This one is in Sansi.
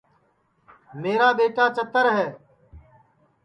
میرا ٻیٹا چتر ہے